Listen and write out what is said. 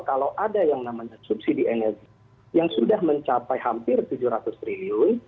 kalau ada yang namanya subsidi energi yang sudah mencapai hampir tujuh ratus triliun